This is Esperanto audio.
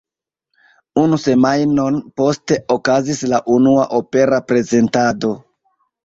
Unu semajnon poste okazis la unua opera prezentado.